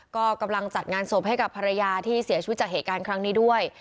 ก็กำลังจัดงานศพให้กับภรรยาที่เสียชีวิตจากเหตุการณ์ครั้งนี้ด้วย